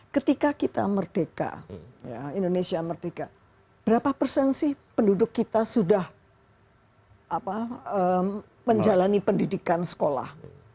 ketika kita merdeka indonesia merdeka berapa persen sih penduduk kita sudah menjalani pendidikan sekolah